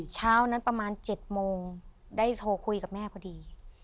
เช้านั้นประมาณ๗โมงได้โทรคุยกับแม่พอดี